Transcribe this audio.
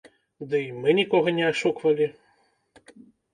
Дый, мы нікога не ашуквалі.